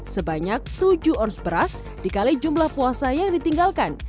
sebanyak tujuh ons beras dikali jumlah puasa yang ditinggalkan